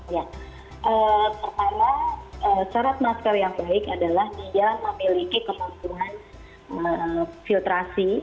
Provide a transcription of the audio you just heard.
ya pertama syarat masker yang baik adalah dia memiliki kemampuan filtrasi